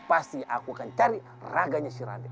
pasti aku akan cari raganya si rande